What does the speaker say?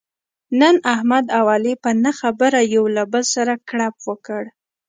نن احمد او علي په نه خبره یو له بل سره کړپ وکړ.